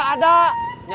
tidak ada dompetnya